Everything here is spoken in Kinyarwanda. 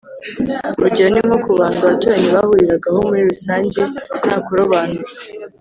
Urugero ni nko kubandwa abaturanyi bahuriragaho muri rusange nta kurobanura